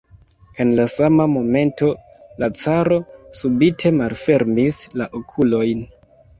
En la sama momento la caro subite malfermis la okulojn.